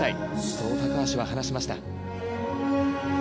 そう高橋は話しました。